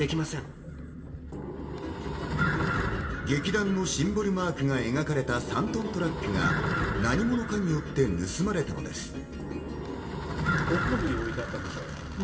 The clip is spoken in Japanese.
劇団のシンボルマークが描かれた３トントラックが何者かによって盗まれたのです。